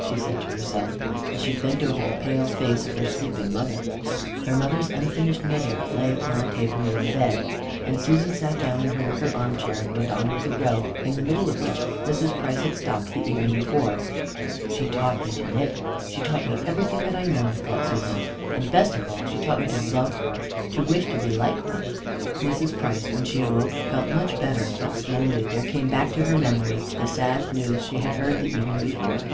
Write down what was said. she said to herself, as she bent over the pale face of her sleeping mother. Her mother's unfinished knitting lay upon a table near the bed, and Susan sat down in her wicker armchair, and went on with the row, in the middle of which Mrs. Price had stopped the evening before. "She taught me to knit, she taught me everything that I know," thought Susan, "and best of all, she taught me to love her, to wish to be like her." Mrs. Price, when she awoke, felt much better, but slowly there came back to her memory the sad news she had heard the evening before.